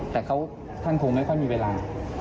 แต่ท่านคงไม่ค่อยมีเวลา